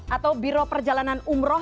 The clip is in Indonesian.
atau biro perjalanan umroh